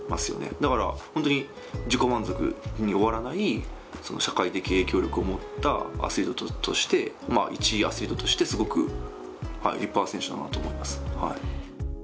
だからホントに自己満足に終わらない社会的影響力を持ったアスリートとしていちアスリートとしてすごく立派な選手だなと思います